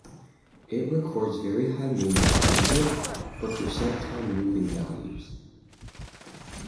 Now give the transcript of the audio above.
It records very high moves per minute or percent time moving values.